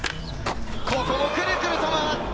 ここもくるくると回って。